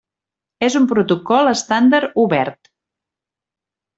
És un protocol estàndard obert.